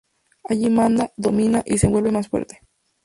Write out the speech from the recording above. Allí manda, domina y se vuelve más fuerte.